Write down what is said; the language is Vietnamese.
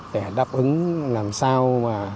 để đáp ứng làm sao